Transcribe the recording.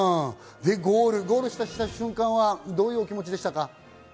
ゴールした瞬間はどういう気持ちでしたか？